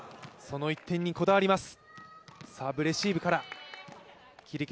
その１点にこだわります。